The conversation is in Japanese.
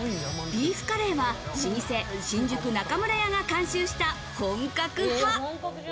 ビーフカレーは老舗・新宿中村屋が監修した本格派。